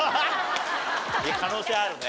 可能性あるね。